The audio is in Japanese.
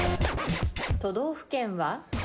都道府県は？